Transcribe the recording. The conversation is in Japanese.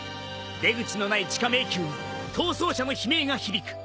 出口のない地下迷宮に逃走者の悲鳴が響く。